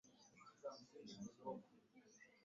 Ni shughuli kama vile ujenzi wa vyombo vya baharini